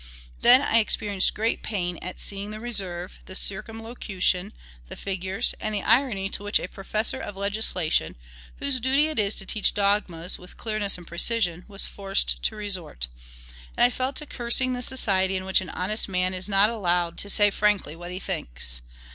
Then I experienced great pain at seeing the reserve, the circumlocution, the figures, and the irony to which a professor of legislation, whose duty it is to teach dogmas with clearness and precision, was forced to resort; and I fell to cursing the society in which an honest man is not allowed to say frankly what he thinks.